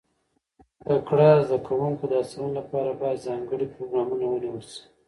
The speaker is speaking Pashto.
د تکړه زده کوونکو د هڅونې لپاره باید ځانګړي پروګرامونه ونیول شي.